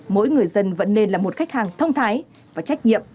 mỗi người dân vẫn nên là một khách hàng thông thái và trách nhiệm